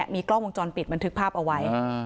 มีกล้องวงจรปิดบันทึกภาพเอาไว้